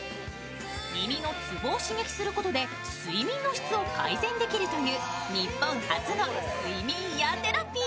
耳のツボを刺激することで睡眠の質を改善できるという日本初の睡眠イヤーテラピー。